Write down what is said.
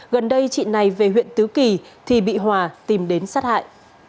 gần đây chị này về huyện tứ kỳ thì bị hòa tìm đến sát hại